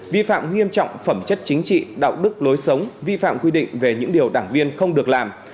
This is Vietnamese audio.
vi phạm nghiêm trọng phẩm chất chính trị đạo đức lối sống vi phạm quy định về những điều đảng viên không được làm